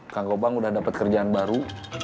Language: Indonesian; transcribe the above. kang gopang udah dapet kerjaan baru